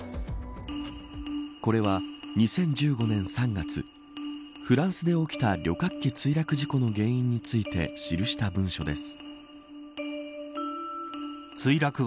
これは２０１５年３月フランスで起きた旅客機墜落事故の原因について記した文書です。